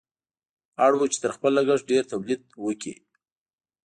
اړ وو چې تر خپل لګښت ډېر تولید وکړي.